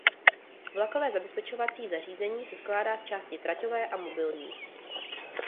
Vlakové zabezpečovací zařízení se skládá z části traťové a mobilní.